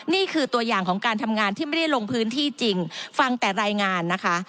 นี่คือตัวอย่างของการทำงานที่ไม่ได้ลงพื้นที่จริงฟังแต่รายงานนะคะ